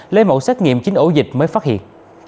lấy mẫu xét nghiệm chín ổ dịch mới phát hiện